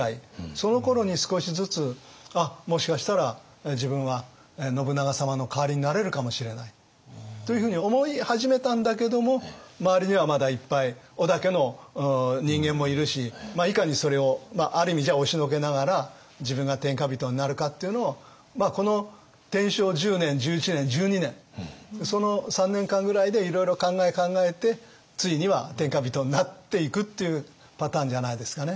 そのころに少しずつもしかしたら自分は信長様の代わりになれるかもしれないというふうに思い始めたんだけども周りにはまだいっぱい織田家の人間もいるしいかにそれをある意味押しのけながら自分が天下人になるかっていうのをこの天正１０年１１年１２年その３年間ぐらいでいろいろ考え考えてついには天下人になっていくっていうパターンじゃないですかね。